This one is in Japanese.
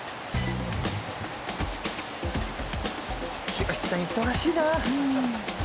清さん忙しいなあ！